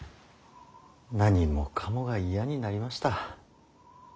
何もかもが嫌になりました。